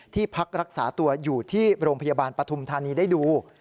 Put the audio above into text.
พักรักษาตัวอยู่ที่โรงพยาบาลปฐุมธานีได้ดู